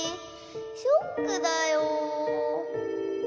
ショックだよ。